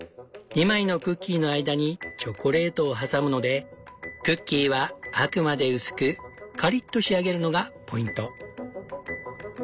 ２枚のクッキーの間にチョコレートを挟むのでクッキーはあくまで薄くカリッと仕上げるのがポイント。